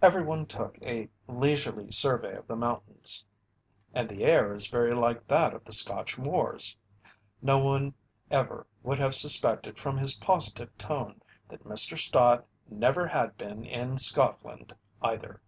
Everyone took a leisurely survey of the mountains. "And the air is very like that of the Scotch moors." No one ever would have suspected from his positive tone that Mr. Stott never had been in Scotland, either.